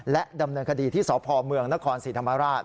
และดำเนินคดีที่สพเมืองนครศรีธรรมราช